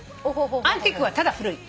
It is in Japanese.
アンティークはただ古い。